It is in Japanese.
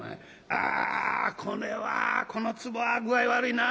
「ああこれはこのつぼは具合悪いな」。